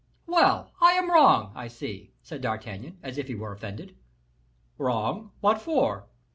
"Well! I am wrong, I see," said D'Artagnan, as if he were offended. "Wrong, what for?"